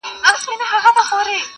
ډلي راغلې د افسرو درباریانو!!